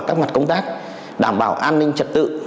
các mặt công tác đảm bảo an ninh trật tự